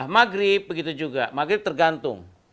maghrib begitu juga maghrib tergantung